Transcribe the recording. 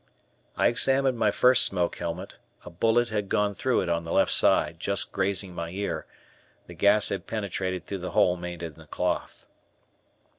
I examined my first smoke helmet, a bullet had gone through it on the left side, just grazing my ear, the gas had penetrated through the hole made in the cloth.